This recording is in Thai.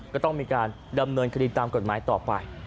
ก็ต้องมีการดำเนินคดีตามกฎหมายต่อไป